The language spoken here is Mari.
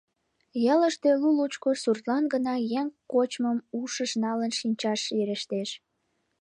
Ялыште лу-лучко суртлан гына еҥ кочмым ушыш налын шинчаш верештеш.